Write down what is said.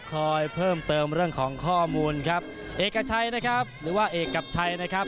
คอยเพิ่มเติมเรื่องของข้อมูลครับเอกชัยนะครับหรือว่าเอกกับชัยนะครับ